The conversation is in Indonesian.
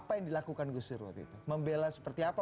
apa yang dilakukan gus dur waktu itu membela seperti apa